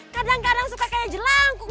kadang kadang suka kayak jelangkung